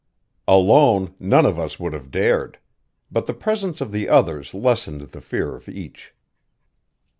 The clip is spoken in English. Alone, none of us would have dared; but the presence of the others lessened the fear of each.